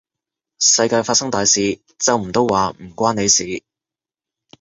世界發生大事，就唔到話唔關你事